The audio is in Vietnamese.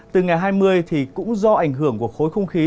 từ ngày hai mươi thì cũng do ảnh hưởng của khối không khí